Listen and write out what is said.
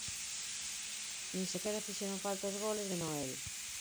Nin sequera fixeron falta os goles de Noel.